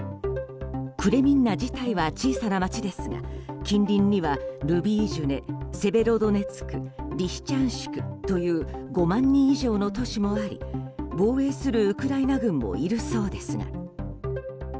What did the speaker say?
クレミンナ自体は小さな街ですが近隣にはルビージュネ、セベロドネツクリシチャンシクという５万人以上の都市もあり防衛するウクライナ軍もいるそうですが。